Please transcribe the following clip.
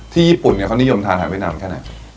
ที่ญี่ปุ่นเขานิยมทานหาดเวียดนามแค่ไหน